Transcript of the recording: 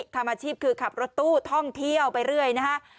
ทำอาชีพคือขับรถตู้ท่องเที่ยวไปเรื่อยนะฮะ